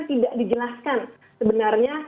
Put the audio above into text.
tidak dijelaskan sebenarnya